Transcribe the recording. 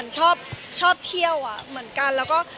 ชอบเที่ยวเหมือนกัน